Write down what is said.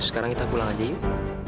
sekarang kita pulang aja yuk